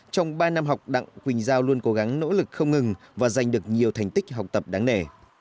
trong ba năm học đặng quỳnh giao luôn cố gắng nỗ lực không ngừng và giành được nhiều thành tích học tập đáng nể